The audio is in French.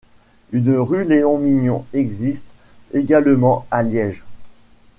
Une rue Léon Mignon existe également à Liège.